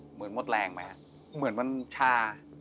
เหมือนมดแรงไปครับเหมือนมันชา